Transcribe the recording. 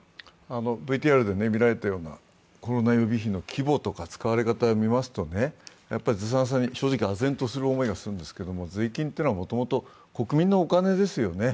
ＶＴＲで見られたようなコロナ予備費の規模とか使われ方をみますとね、ずさんさに正直、あぜんとしますが税金というのはもともと国民のお金ですよね。